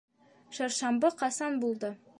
Шаршамбы ҡасан булды?